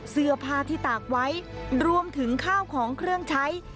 เสื้อผ้าที่ตากไว้รวมถึงข้าวของเครื่องใช้